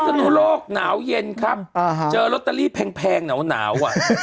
พี่ศนุโลกหนาวเย็นครับเจอรอตเตอรีแพงหนาว